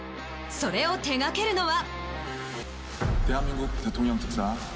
それを手掛けるのは。